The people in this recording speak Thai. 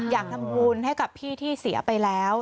อยากทำบุญให้กับพี่ที่เสียไปแล้ว